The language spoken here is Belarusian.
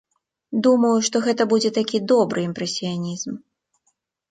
Думаю, што гэта будзе такі добры імпрэсіянізм.